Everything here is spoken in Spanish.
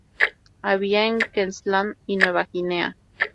Habita en Queensland y Nueva Guinea.